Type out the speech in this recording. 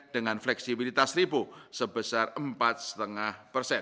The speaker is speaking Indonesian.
dengan fleksibilitas ribu sebesar empat lima persen